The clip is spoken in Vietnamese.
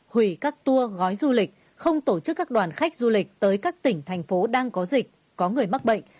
hủy các tour gói du lịch không tổ chức các đoàn khách du lịch tới các tỉnh thành phố đang có dịch có người mắc bệnh